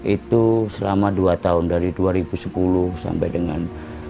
itu selama dua tahun dari dua ribu sepuluh sampai dengan dua ribu dua puluh